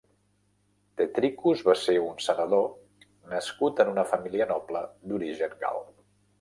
Tetricus va ser un senador nascut en una família noble d'origen gal.